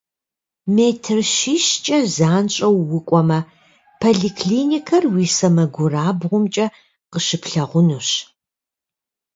Метр щищкӏэ занщӏэу укӏуэмэ, поликлиникэр уи сэмэгурабгъумкӏэ къыщыплъагъунущ.